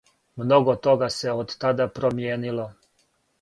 Много тога се од тада промијенило.